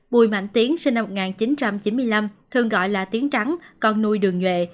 bùi mạnh tiến sinh năm một nghìn chín trăm chín mươi năm thường gọi là tiến trắng con nuôi đường nhuệ